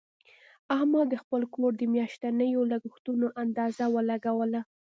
احمد د خپل کور د میاشتنیو لګښتونو اندازه ولګوله.